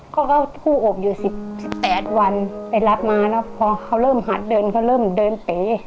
เขาก็คู่อบอยู่๑๘วันไปรับมาแล้วพอเขาเริ่มหัดเดินเขาเริ่มเดินเป๋